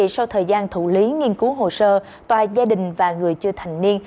sau thời gian thủ lý nghiên cứu hồ sơ tòa gia đình và người chưa thành niên